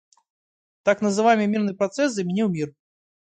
Так называемый «мирный процесс» заменил мир.